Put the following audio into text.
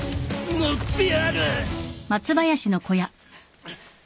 乗ってやる。